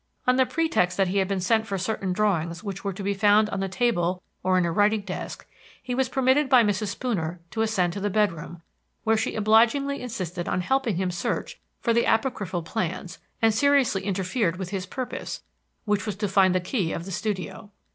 On the pretext that he had been sent for certain drawings which were to be found on the table or in a writing desk, he was permitted by Mrs. Spooner to ascend to the bedroom, where she obligingly insisted on helping him search for the apocryphal plans, and seriously interfered with his purpose, which was to find the key of the studio.